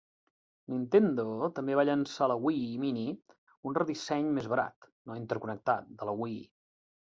Nintendo també va llançar la Wii Mini, un redisseny més barat, no interconnectat, de la Wii.